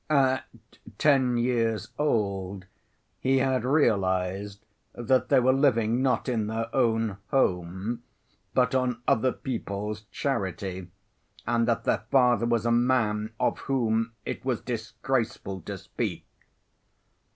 At ten years old he had realized that they were living not in their own home but on other people's charity, and that their father was a man of whom it was disgraceful to speak.